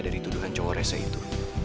dari tuduhan cowok rese itu